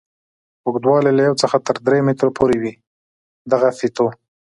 اوږدوالی یې له یوه څخه تر درې متره پورې وي دغه فیتو.